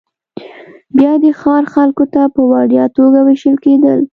بیا د ښار خلکو ته په وړیا توګه وېشل کېدل